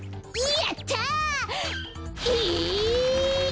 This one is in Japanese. やった！え！